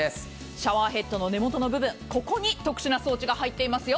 シャワーヘッドの根元部分、ここに特殊な装置が入っていますよ。